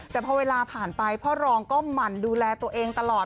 แต่พอเวลาผ่านไปพ่อรองก็หมั่นดูแลตัวเองตลอด